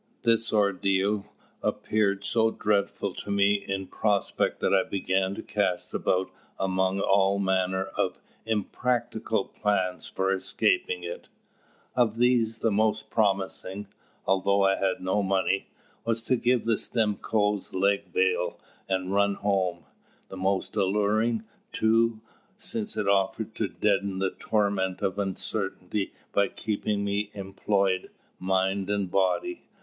This ordeal appeared so dreadful to me in prospect that I began to cast about among all manner of impracticable plans for escaping it. Of these the most promising although I had no money was to give the Stimcoes leg bail and run home; the most alluring, too, since it offered to deaden the torment of uncertainty by keeping me employed, mind and body.